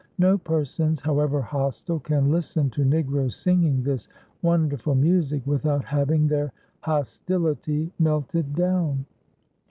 No persons, however hostile, can listen to Negroes singing this wonderful music without having their hostility melted down.